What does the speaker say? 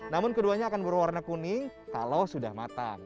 namun keduanya akan berwarna kuning kalau sudah matang